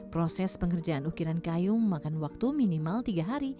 proses pengerjaan ukiran kayu memakan waktu minimal tiga hari